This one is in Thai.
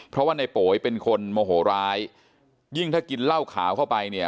เพราะว่าในโป๋ยเป็นคนโมโหร้ายยิ่งถ้ากินเหล้าขาวเข้าไปเนี่ย